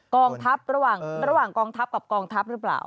กองทัพระหว่างกองทัพกับกองทัพหรือเปล่า